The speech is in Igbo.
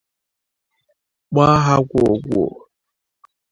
gbaa ha gwoo gwoo